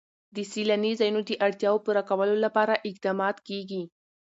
د سیلاني ځایونو د اړتیاوو پوره کولو لپاره اقدامات کېږي.